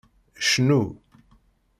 Cnu.